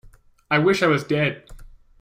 I wish I was dead!